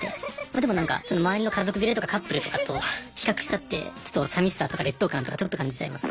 でもなんか周りの家族連れとかカップルとかと比較しちゃってちょっと寂しさとか劣等感とかちょっと感じちゃいます。